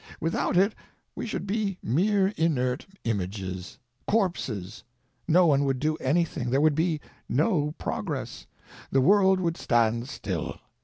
Without it we should be mere inert images, corpses; no one would do anything, there would be no progress, the world would stand still.